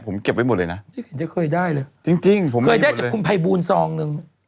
ผมเก็บไว้หมดเลยนะไม่เห็นจะเคยได้เลยจริงจริงผมเคยได้จากคุณภัยบูลซองหนึ่ง